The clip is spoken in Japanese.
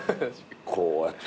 こうやって。